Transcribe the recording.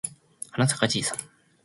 はなさかじいさん